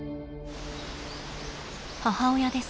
母親です。